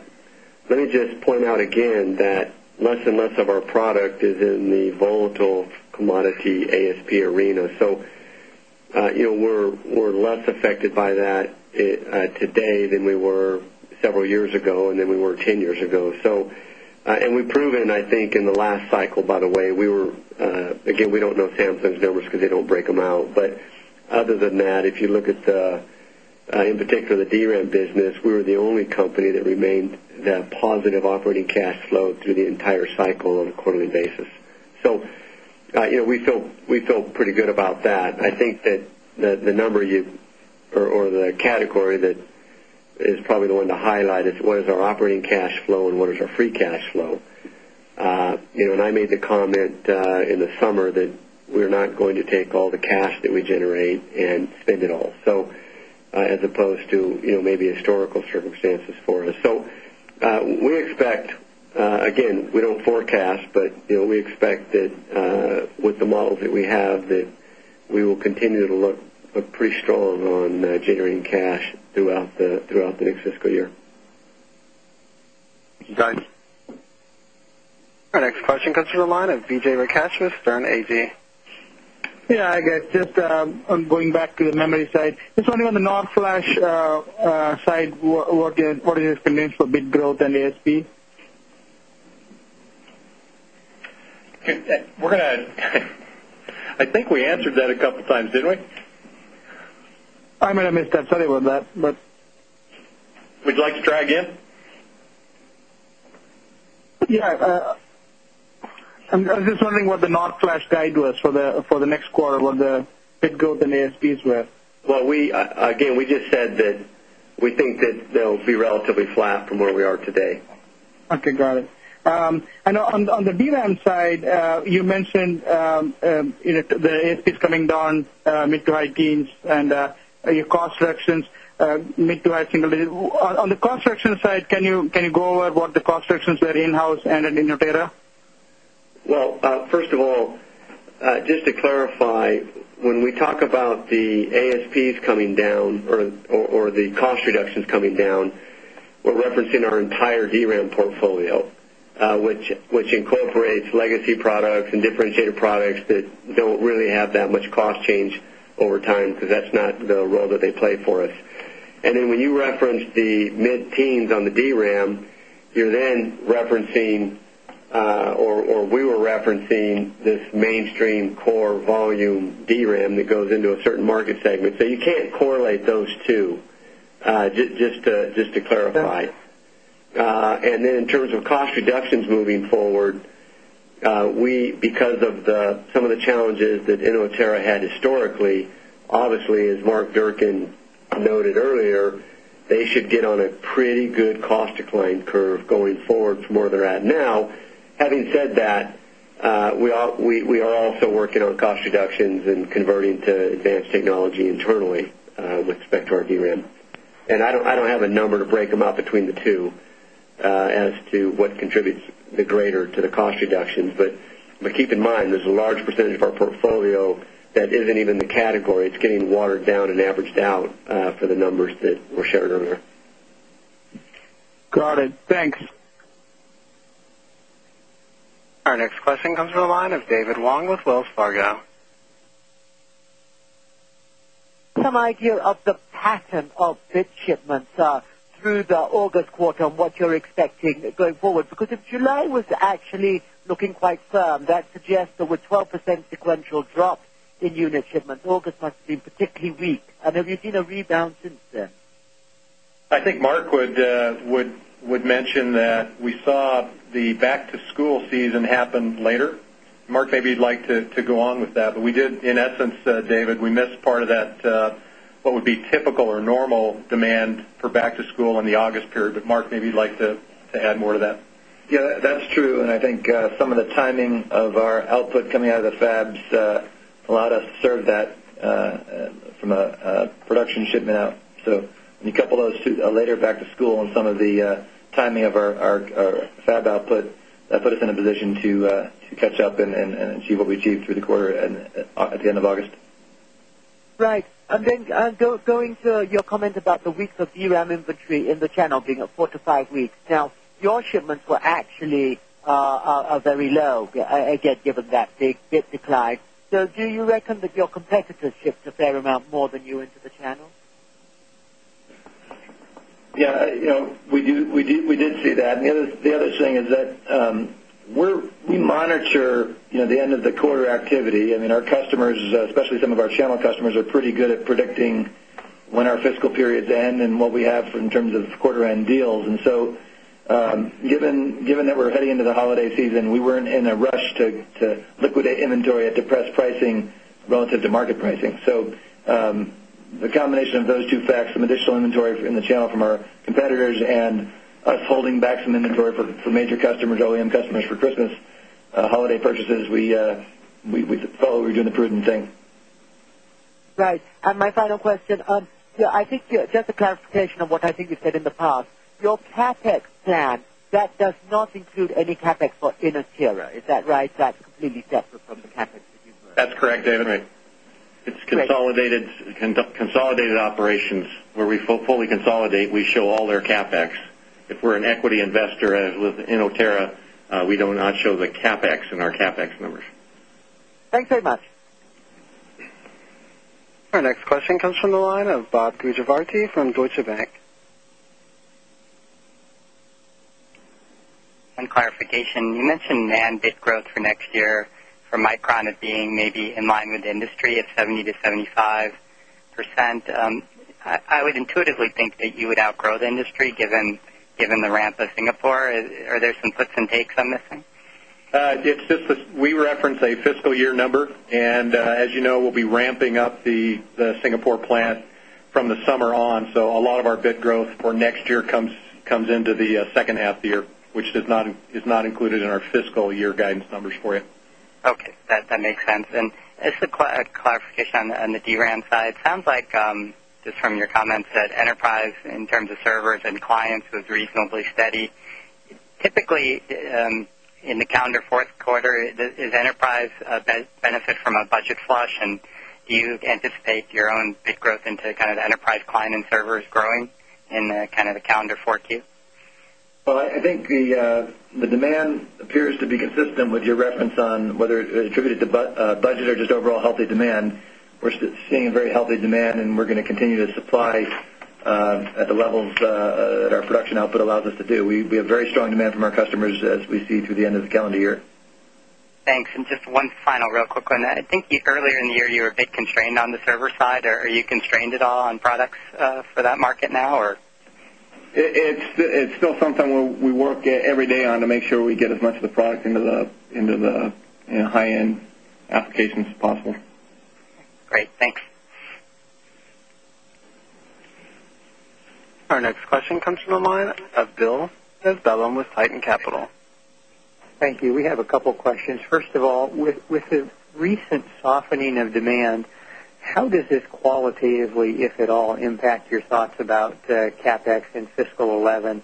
let me just point out again that less and less of our product is in the volatile commodity ASP arena. So you know, we're, we're less affected by that today than we were several years ago and then we were 10 years ago. So and we've proven, I think, in the last cycle, by the way, we were, again, we don't know Samsung's numbers because they don't break them out. But other than that, you look at the, in particular, the DRAM business, we were the only company that remained that positive operating cash flow through the entire goal on a quarterly basis. So, you know, we feel pretty good about that. I think that the number you or the category that probably the one to highlight is what is our operating cash flow and what is our free cash flow. You know, and I made the comment, in the summer that we're not to take all the cash that we generate and spend it all. So, as opposed to, you know, maybe historical circumstances us. So, we expect, again, we don't forecast, but, you know, we expect that, with the models we have that we will continue to look pretty strong on generating cash throughout the throughout the next fiscal year. Our next question comes from the line of Vijay Rakeshvath from AD. Just on going back to the memory side. It's only on the non flash, side, what what is this convenience for bit growth and ASP? We're going to I think we answered that a couple of times, didn't we? I'm gonna miss that study with that. But Would you like to try again? I'm I'm just wondering what the naught flash guide was for the for the next quarter, what the it goes in ASPs with. Well, we, again, we just said that think that they'll be relatively flat from where we are today. Okay. Got it. And on the DRAM side, you mentioned you know, it's coming down mid to high teens and, your constructions, mid to high single digit. On the construction Can you can you go over what the constructions were in house and in your area? Well, 1st of all, just to clarify, 5, when we talk about the ASPs coming down or or the cost reductions coming down, we're referencing our entire DRAM portfolio, which which incorporates legacy products and differentiated products that don't really have that much cost change over time because that's not the role that they play for us. And then when you reference the mid teens on the DRAM, you're then referencing or, or we were referencing this mainstream core volume DRAM that goes into a certain market segment. So you can't correlate those 2, just to, just to clarify. And then in terms of cost reductions moving forward, we, because of the some of the challenges that Innoveterra had historically, obviously, as Mark Durkin noted earlier, they get on a pretty good cost decline curve going forward from where they're at now. Having said that, we are also working on cost reductions and vertting to advanced technology internally, with respect to our DRAM. And I don't, I don't have a number to break them up between the 2. As to what contributes the greater to the cost reductions. But but keep in mind, there's a large percentage of our portfolio that isn't even the category. It's getting watered down in perched out, for the numbers that were shared earlier. Got it. Thanks. Next question comes from the line of David Wong with Wells Fargo. Some idea of the patent called bit Chip through the August quarter and what you're expecting going forward. Because if July was actually looking quite firm, that suggests a 12% sequential drop in unit shipment. August must have been particularly weak. And have you seen a rebound since then? Think Mark would, would would mention that we saw the back to school season happen later. Maybe you'd like to to go on with that, but we did, in essence, David, we missed part of that, what would be typical or normal demand for back to school in the August period. But, Mark, maybe you'd like to add more to that. Yeah. That's true. And I think, some of the timing of our output coming out of the fabs, allowed us to of that, from a production shipment out. So we couple those 2 later back to school and some of the time of our, our fab output that put us in a position to, to catch up and achieve what we achieved through the quarter. And at the end of August, Right. And then go going to your comment about the weeks of DRAM inventory in the channel being at 4 to 5 weeks. Now your shift were actually, a very low, again, given that big decline. So do you reckon that your competitors shift a fair amount more than into the channel? Yeah. You know, we do we did we did see that. And the other the other thing is that we monitor, you know, the end of the quarter activity. I mean, our customers, especially some of our channel customers are pretty good at predicting when our fiscal periods end and what we have in terms of quarter end deals. And so, given that we're heading into the holiday season, we weren't in a rush to liquidate inventory at depressed pricing relative to market pricing. So, the combination of those 2 facts, some additional inventory in the channel from our competitors and us holding back some inventory for for major customers, OEM customers for Christmas. Holiday purchases, we, we we follow. We're doing the prudent thing. Right. My final question. Yeah, I think, just a clarification on what I think you said in the past, your CapEx plan, that does not include any CapEx for in us here. Is that right? That's completely different from the CapEx. That's correct, Anthony. It's consolidated consolidated operations where we fully consolidate, we show all their CapEx. If we're an equity investor in Oterra, we do not show the CapEx and our CapEx numbers. Thanks very much. Our next question comes from the line of Bob Gujavarti from Deutsche to back. On clarification, you mentioned NAND bit growth for next year from of being maybe in line with industry at 70 to 75%. I I would intuitively think that you would outgrow the 3 given given the ramp of Singapore? Are there some puts and takes I'm missing? It's just we reference a 5th year number. And, as you know, we'll be ramping up the Singapore plant from the summer on. So, a lot of our bid growth for next year comes into the second half year, which is not is not included in our fiscal year guidance numbers for you. Okay. That that makes sense. And just a clarification on the DRAM it sounds like, just from your comments that enterprise in terms of servers and clients was reasonably steady, it in the calendar fourth quarter, is enterprise benefit from a budget flush, and do you anticipate your own big growth into kind of enterprise client and servers growing in kind of the calendar 4Q? Well, I think the, the demand appears to be consistent, which reference on whether it contributed to budget or just overall healthy demand. We're seeing very healthy demand and we're going to continue to supply, at the levels production output allows us to do. We have very strong demand from our customers as we see through the end of the calendar year. Thanks. And just one final real quick on that. I think earlier in the year, you were constrained on the server side, or are you constrained at all on products, for that market now? Or It's it's still something where we work at every day on to make sure we get as much of the product into the into the high end applications as possible. Our next question comes from the line of Bill Sezellem with Tieton Capital. Thank you. We have a couple questions. First of all, with the recent softening of demand, how does this qualitatively, if at all, impact your thoughts about CapEx in fiscal 'eleven,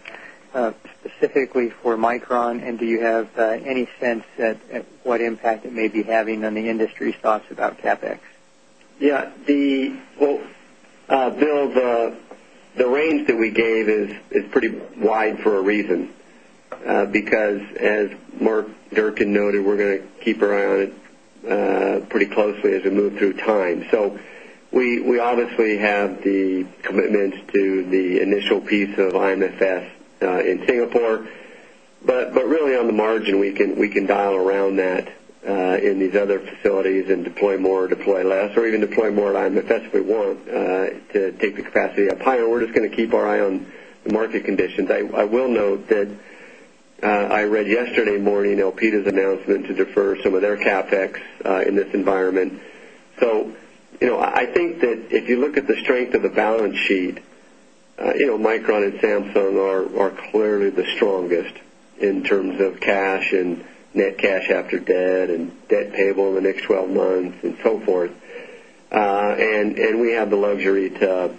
specifically for Micron. And do you have, any sense at at what impact it may be having on the industry's thoughts about CAP mix? Yeah. The, Bill, the range that we gave is pretty wide for a reason, because as Mark Durkin noted, we're going to keep our eye on it, pretty closely as we move through time. So we we obviously have the commitment to the initial piece of IMSF in Singapore, but but really on the margin, we can we can dial around that, in these other facilities and deploy more or deploy less or even deploy more. I'm the best we want, to take the capacity up high order keep our eye on the market conditions. I I will note that, I read yesterday morning, LPita's announcement to defer some of their in this environment. So, you know, I think that if you look at the strength of the balance sheet, you know, Micron and Samsung are are clearly the strongest in terms of cash and net cash after debt and debt payable in the next 12 months and so forth. And we have the luxury to,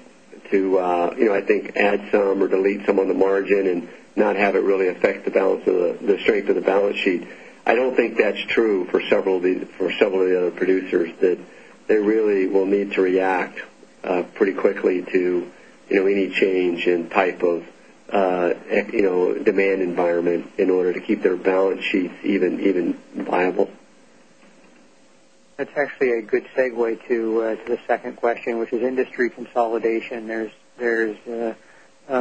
to, you know, I think add some or delete some on the margin and not have it really affect the balance of the the strength of the balance sheet I don't think that's true for several of the, for several of the other producers that they really will need to react, pretty quickly to, you know, any change in type of, you know, demand environment in order to keep their balance sheets even even by That's actually a good segue to, to the second question, which is industry consolidation. There's there's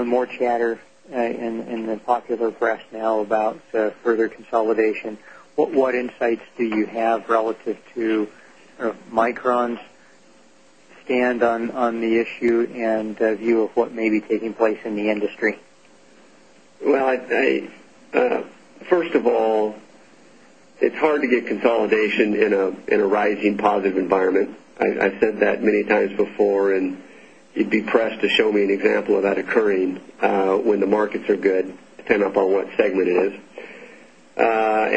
more chatter in the popular rationale about further consolidation. What insights do you have relative is to, microns stand on on the issue and, view of what may be taking place in the industry? Well, I I, 1st of all, it's hard to get consolidation in a in a rising positive environment. I said that many times before, and you'd be pressed to show me an example of that occurring, when the markets are good depending upon what segment it is.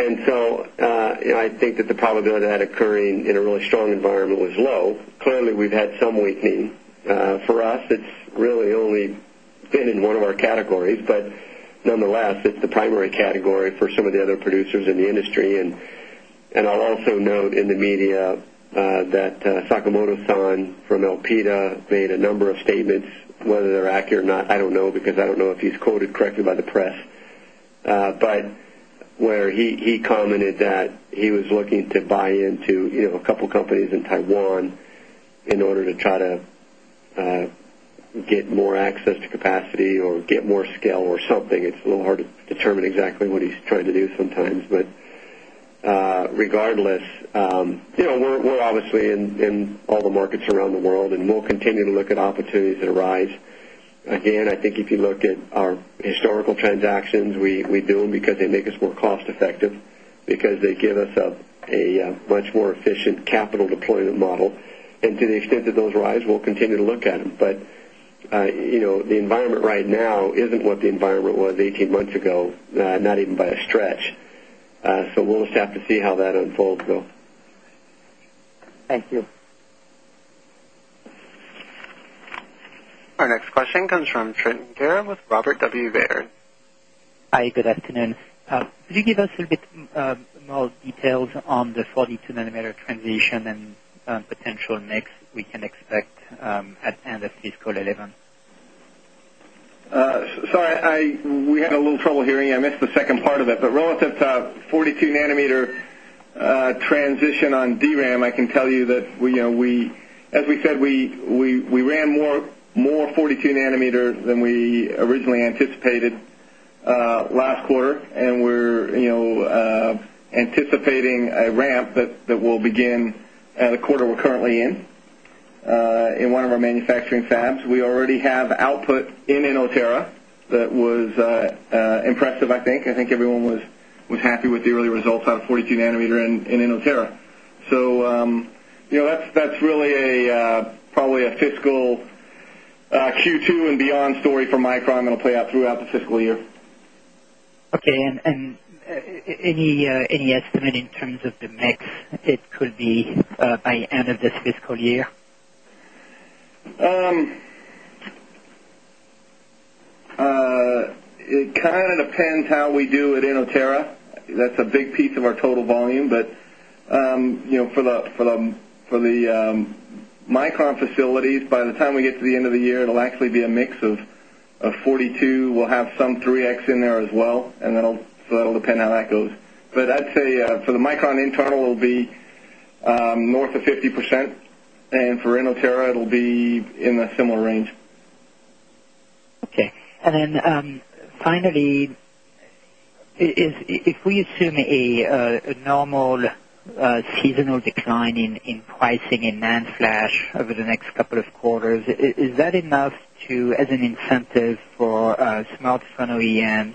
And so, you know, I think that the probability that occurring in a really strong environment was low. Clearly, we've had some weakening, for us, really only been in one of our categories, but nonetheless, it's the primary category for some of the other producers in the industry. And And I'll also note in the media, that, Sakimoto Son from LPIDA made a number of statements whether they're accurate or not, know because I don't know if he's quoted correctly by the press, but where he he commented that he was looking to buy into, you know, companies in Taiwan in order to try to, get more access to capacity or get more scale or something. It's a little hard to determine exactly what he's trying to do sometimes. But, regardless, you know, we're we're obviously in in the markets around the world and we'll continue to look at opportunities that arise. Again, I think if you look at our historical transactions, we we do them because they make us more cost effective because they give us up a much more efficient capital deployment model. And to the extent that those rise, we'll continue to look at them. But, you know, the environment right now isn't what the environment was 18 months ago, not even by a stretch. So just have to see how that unfolds, though. Thank you. Our next comes from Trenton Gera with Robert W. Baird. Could you give us a little bit more details on the 40 2 nanometer transition and potential mix, we can expect, at end of fiscal 'eleven? Sorry, I, we had a little trouble hearing you. I missed the second part of it, but relative to 42 nanometer, transition on DRAM, I can tell you that we, you know, we As we said, we, we, we ran more 42 nanometers than we originally anticipated, last quarter and we're anticipating a ramp that will begin the quarter we're currently in. In one of our manufacturing fabs, we already have output in an Oterra that was, impressive, I think. I think everyone was happy with the early results out of 42 nanometer in in Ontario. So, you know, that's that's really a, probably a fiscal Q2 and beyond story from Micron, it will play out throughout the fiscal year. Okay. And any estimate in terms of the mix it could be by endofthisfiscalyear? It kinda depends how we do at Innovara. That's a big piece of our total volume, but, you know, for the for the for the Micron facilities by the time we get to the end of the year, it'll actually be a mix of of 42. We'll have some 3 x in as well. And then, so that'll depend how that goes. But I'd say, for the Micron internal, it'll be, north of 50% And for Innoterra, it'll be in a similar range. Okay. And then, finally, if we assume a normal seasonal decline in pricing in cash over the next couple of quarters. Is that enough to, as an incentive for, smartphone OEMs,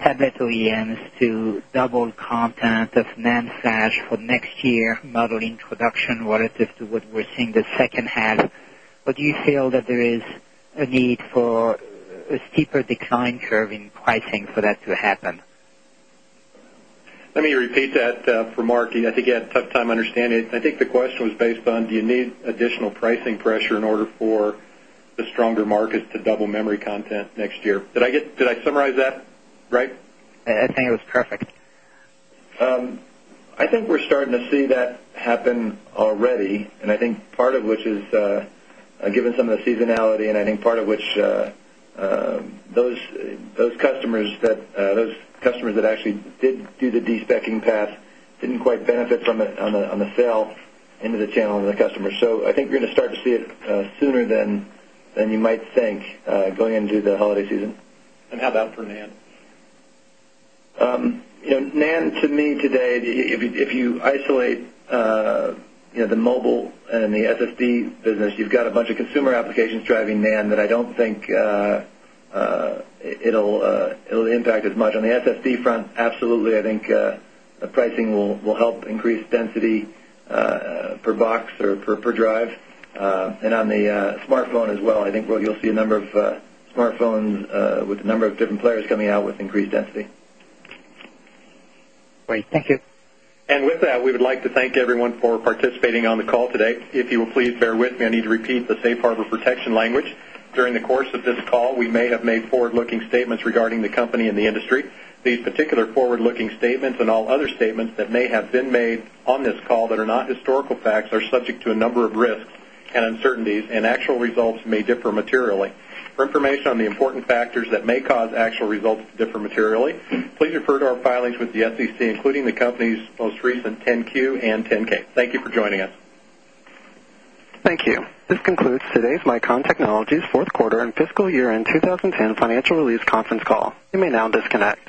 tablet OEMs to double alternative NAND Flash for next year, modeling production relative to what we're seeing in the second half. What do you feel that there is a need for a steeper decline curve in pricing for that to happen? Let me repeat that that for Mark. I think you had tough time understanding it. I think the question was based on do you need additional pricing pressure in order for the stronger markets to double memory content next year. Did I get did I summarize that, right? I think it was perfect. I think we're starting to see that happen already. And I think part of which is, given some of the seasonality, and I think part of which, those customers that, those customers that actually did do the de specking path didn't quite benefit from it on the on the sale into the channel of the customer. So I think we're going to start to see it sooner than than you might think, going into the holiday season. And how about for NAND? You know, NAND to me today, if you isolate, you know, the mobile and the SSD business, you've got a bunch of consumer applications driving NAND that I don't think it'll, it'll impact as much on the SSD front. Absolutely. I think, pricing will help increase density per box or per per drive. And on the, smartphone as well, I think, Roy, you'll see a number of, smartphones, with a number of different players coming out with density. Great. Thank you. And with that, we would like to thank everyone for participating on the call today. If you will please Bear with me, I need to repeat the Safe Harbor protection language. During the course of this call, we may have made forward looking statements regarding the company and the industry. These forward looking statements and all other statements that may have been made on this call that are not historical facts are subject to a number of risks and uncertainties and actual results may differ materially. For information on the important factors that may cause actual results to differ materially, please refer to our filings with the SEC including the company's most recent ten Q 10 K. Thank you for joining us. Thank you. This concludes today's MyCon Technologies Fourth Quarter And Fiscal Year End 20 and financial release conference call. You may now disconnect.